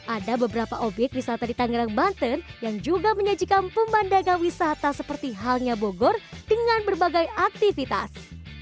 ada beberapa obyek wisata di tangerang banten yang juga menyajikan pemandangan wisata seperti halnya bogor dengan berbagai aktivitas